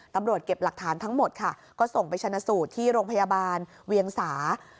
ตำรวจเก็บหลักฐานทั้งหมดค่ะก็ส่งไปชนะสูตรที่โรงพยาบาลเวียงสา